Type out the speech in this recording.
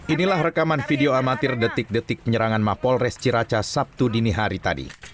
inilah rekaman video amatir detik detik penyerangan mapol res ciracas sabtu dini hari tadi